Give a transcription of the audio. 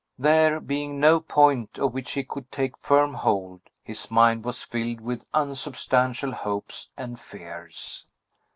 There being no point of which he could take firm hold, his mind was filled with unsubstantial hopes and fears.